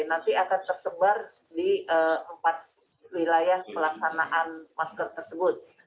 nanti akan tersebar di empat wilayah pelaksanaan masker tersebut